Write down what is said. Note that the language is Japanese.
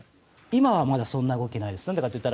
今はまだそんな動きはないです。